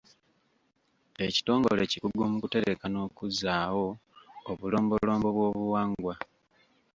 Ekitongole kikugu mu kutereka n'okuzzaawo obulombolombo bw'obuwangwa.